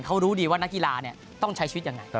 เขารู้ดีว่านักกีฬาเนี่ยต้องใช้ชีวิตอย่างไร